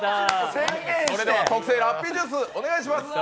それでは、特製ラッピージュース、お願いします。